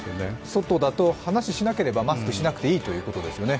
外だと、話をしないとマスクしなくていいということですよね。